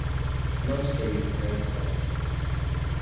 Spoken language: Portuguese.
"Não sei?" foi a resposta.